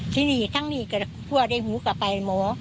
ที่นี่ทั้งนี้ก็คั่วได้หูกลับไปหมอ